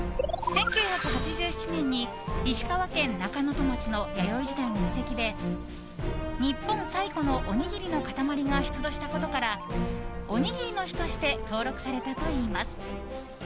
１９８７年に石川県中能登町の弥生時代の遺跡で日本最古のおにぎりの塊が出土したことからおにぎりの日として登録されたといいます。